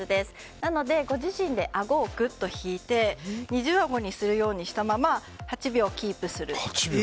なので、ご自身であごをぐっと引いて二重あごにするようにしたまま８秒キープする。